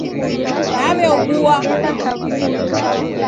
Naw'eobua